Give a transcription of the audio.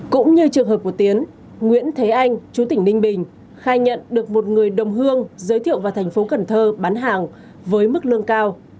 cũng như trường hợp của tiến nguyễn thế anh chú tỉnh ninh bình khai nhận được một người đồng hương giới thiệu vào thành phố cần thơ bán hàng với mức lương cao